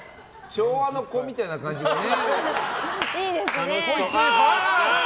昭和の子みたいな感じがね。